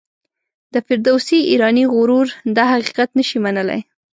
د فردوسي ایرانی غرور دا حقیقت نه شي منلای.